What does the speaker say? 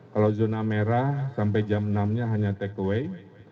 kalau zona merah sampai jam enam nya hanya take away